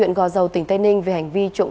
để mà truy tìm đối tượng